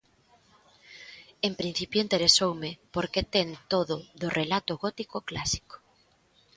En principio interesoume porque ten todo do relato gótico clásico.